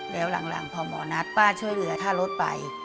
แล้วหลังพอหมอนัดป้าช่วยเหลือค่ารถไป